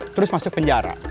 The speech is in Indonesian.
terus masuk penjara